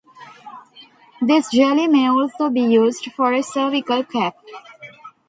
This jelly may also be used for a cervical cap.